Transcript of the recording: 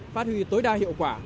phát huy tối đa hiệu quả